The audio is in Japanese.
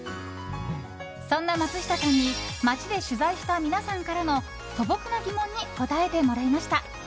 そんな松下さんに街で取材した皆さんからの素朴な疑問に答えてもらいました。